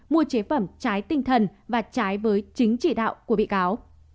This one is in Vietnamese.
mua chế phẩm trái tinh thần và trái với chính chỉ đạo của bị cáo